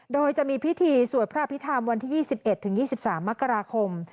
โดยจะมีพิธีสวดพระอภิษฐรรมวันที่๒๑๒๓มกราคม